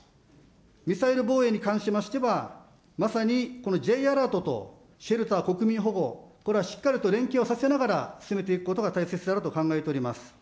ミサイル防衛に関しましては、まさにこのＪアラートとシェルター、国民保護、これはしっかりと連携をさせながら進めていくことが大切であると考えております。